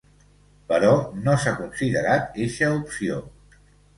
Però no s’ha considerat eixa opció.